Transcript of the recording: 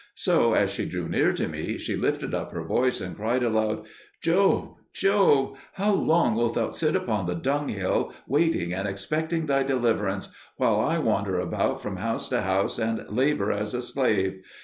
So, as she drew near to me she lifted up her voice and cried aloud, "Job, Job, how long wilt thou sit upon the dunghill waiting and expecting thy deliverance, while I wander about from house to house and labour as a slave?